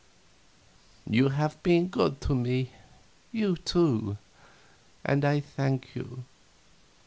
You have been good to me, you two, and I thank you."